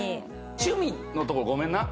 趣味のとこごめんな。